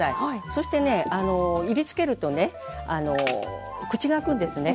そしてねいりつけるとね口が開くんですね。